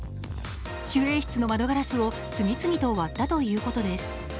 守衛室の窓ガラスを次々割ったということです。